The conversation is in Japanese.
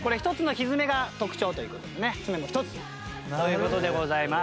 爪の一つという事でございます。